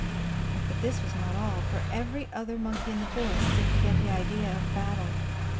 "But this was not all, for every other monkey in the forest seemed to get the idea of battle.